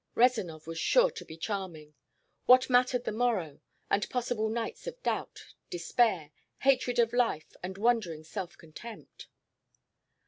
Rezanov was sure to be charming. What mattered the morrow, and possible nights of doubt, despair, hatred of life and wondering self contempt?